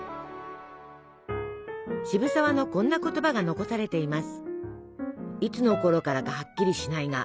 渋沢のこんな言葉が残されています。